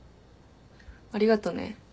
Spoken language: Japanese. ありがとね。